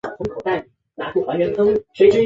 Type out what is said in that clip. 梅尔赫特姆。